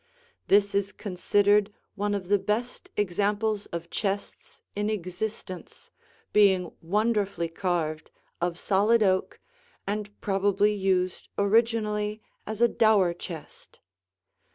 This is considered one of the best examples of chests in existence, being wonderfully carved, of solid oak, and probably used originally as a dower chest.